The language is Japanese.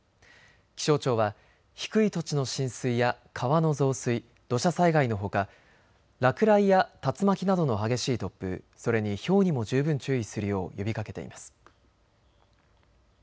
気象庁は低い土地の浸水や川の増水、土砂災害のほか、落雷や竜巻などの激しい突風、それにひょうにも十分注意するよう呼びかけています。